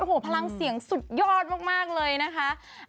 โอ้โหพลังเสียงสุดยอดมากเลยนะคะ